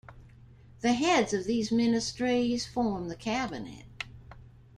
The heads of these ministries form the cabinet.